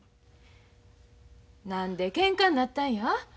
何でけんかになったんや？